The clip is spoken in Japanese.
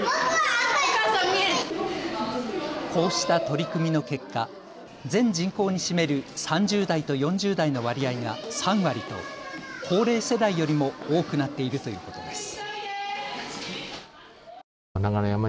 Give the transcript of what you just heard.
こうした取り組みの結果、全人口に占める３０代と４０代の割合が３割と高齢世代よりも多くなっているということです。